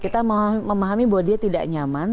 kita memahami bahwa dia tidak nyaman